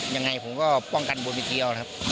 ยังไงผมก็ป้องกันบนวิธีเอานะครับ